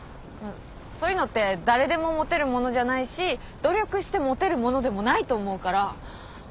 そういうのって誰でも持てるものじゃないし努力して持てるものでもないと思うから。